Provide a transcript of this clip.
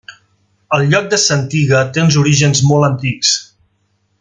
El lloc de Santiga té uns orígens molt antics.